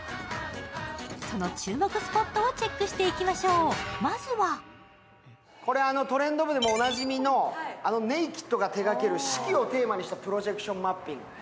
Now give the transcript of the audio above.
その注目スポットをチェックしていきましょう、まずは「トレンド部」でもおなじみのＮＡＫＥＤが手がける四季をテーマにしたプロジェクションマッピング。